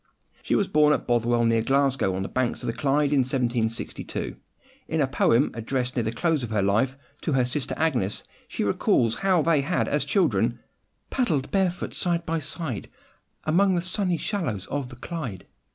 She was born at Bothwell, near Glasgow, on the banks of the Clyde, in 1762. In a poem addressed, near the close of her life, to her sister Agnes, she recalls how they had as children— ... paddled barefoot side by side, Among the sunny shallows of the Clyde.